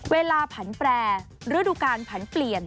เวลาผันแปลริดุการผันเปลี่ยน